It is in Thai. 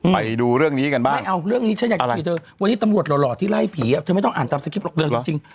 ไปดูเรื่องนี้กันบ้างอะไรวันนี้ตำรวจหล่อที่ไล่ผีอ่ะเธอไม่ต้องอ่านตามสคริปต์หรอกเลยจริง